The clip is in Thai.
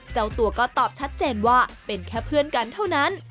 เจ้าตัวก็ตอบชัดเจนว่าเป็นแค่เพื่อนกันเท่านั้น